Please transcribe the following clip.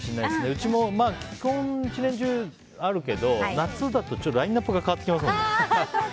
うちも基本一年中あるけど夏だと、ちょっとラインアップが変わってきますからね。